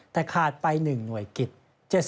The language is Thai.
แต่ขาดไป๑หน่วยกิจ